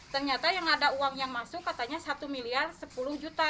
ternyata yang ada uang yang masuk katanya satu miliar sepuluh juta